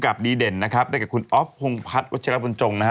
กลับดีเด่นนะครับได้จากคุณอ้อฟฮงผัสวจชะวันฟุนโจ่งนะฮะ